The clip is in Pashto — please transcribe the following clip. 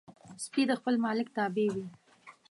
سپي د خپل مالک تابع وي.